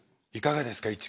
いかがですか？